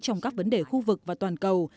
trong các vấn đề khu vực và toàn cầu